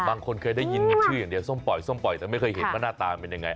บางคนเคยได้ยินชื่ออย่างเดียวส้มปล่อยส้มปล่อยแต่ไม่เคยเห็นว่าหน้าตาเป็นยังไง